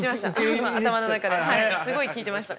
頭の中ではいすごい聞いてました。